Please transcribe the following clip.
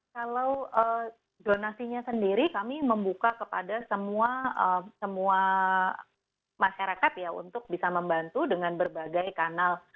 kalau zonasinya sendiri kami membuka kepada semua masyarakat ya untuk bisa membantu dengan berbagai kanal